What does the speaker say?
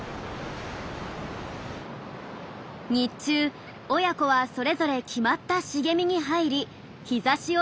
日中親子はそれぞれ決まった茂みに入り日ざしを避けるんです。